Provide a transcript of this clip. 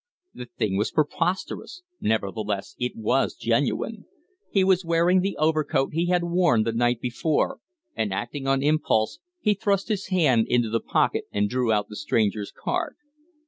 The thing was preposterous, nevertheless it was genuine. He was wearing the overcoat he had worn, the night before, and, acting on impulse, he thrust his hand into the pocket and drew out the stranger's card.